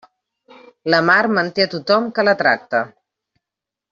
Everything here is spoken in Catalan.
La mar manté a tothom que la tracta.